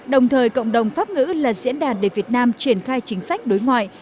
đồng thời cộng đồng pháp ngữ là diễn đàn để việt nam triển khai chính sách đối ngoại